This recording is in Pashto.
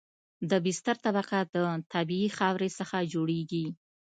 د بستر طبقه د طبیعي خاورې څخه جوړیږي